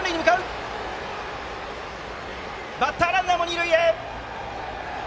バッターランナーも二塁へ。